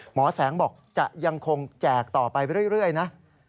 หมอแสงบอกจะยังคงแจกต่อไปเรื่อยนะ